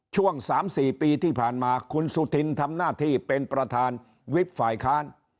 ช่วง๓๔ปีที่ผ่านมาคุณสุธินทำหน้าที่เป็นประธานวิบฝ่ายค้าน